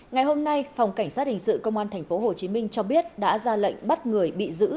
ngày hôm nay phòng cảnh sát hình sự công an tp hcm cho biết đã ra lệnh bắt người bị giữ